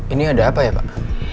ini ada apa ya pak